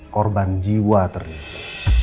korban jiwa ternyata